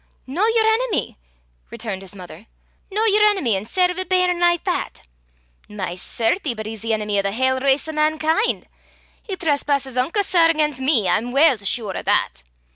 "No your enemy!" returned his mother; " no your enemy, an' sair (serve) a bairn like that! My certie! but he's the enemy o' the haill race o' mankin'. He trespasses unco sair again' me, I'm weel sure o' that!